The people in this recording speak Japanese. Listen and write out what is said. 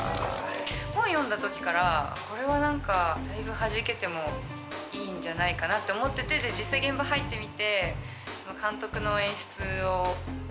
本読んだ時からこれはだいぶはじけてもいいんじゃないかなって思ってて実際現場入ってみて。